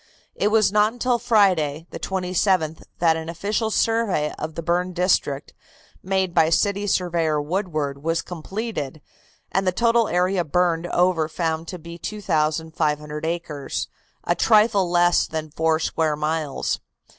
It was not until Friday, the 27th, that an official survey of the burned district, made by City Surveyor Woodward, was completed, and the total area burned over found to be 2,500 acres, a trifle less than four square miles.